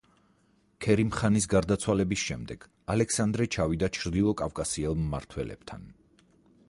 ქერიმ-ხანის გარდაცვალების შემდეგ ალექსანდრე ჩავიდა ჩრდილოკავკასიელ მმართველებთან.